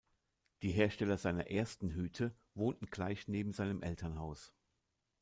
Die Hersteller seiner ersten Hüte wohnten gleich neben seinem Elternhaus.